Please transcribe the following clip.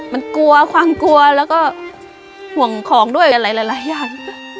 มันกลัวความกลัวแล้วก็ห่วงของด้วยอะไรหลายอย่าง